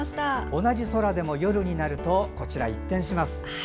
同じ空でも夜になると一転します。